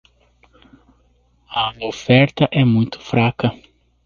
A oferta é muito fraca.